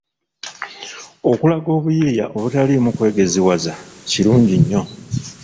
Okulaga obuyiiya obutaliimu kwegeziwaza kirungi nnyo.